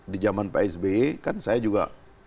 di jaman pak sbe kan saya juga